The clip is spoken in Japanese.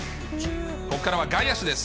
ここからは外野手です。